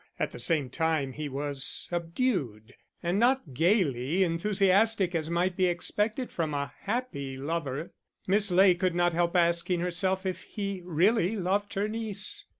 At the same time he was subdued, and not gaily enthusiastic as might be expected from a happy lover. Miss Ley could not help asking herself if he really loved her niece.